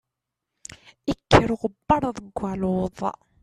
Ikker uɣebbar deg waluḍ.